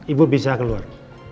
ibu bisa keluar